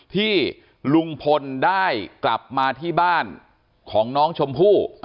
ที่ลุงพลได้กลับมาที่บ้านของน้องชมพู่